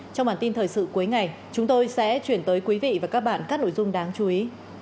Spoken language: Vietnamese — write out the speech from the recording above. trong bản tin thời sự cuối ngày chúng tôi sẽ chuyển tới quý vị và các bạn các nội dung đáng chú ý